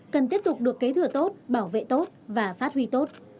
cần tiếp tục được kế thừa tốt bảo vệ tốt và phát huy tốt